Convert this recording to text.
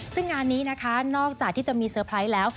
ซึ่งงานนี้นะคะนอกจากที่จะมีเซอร์ไพรส์แล้ว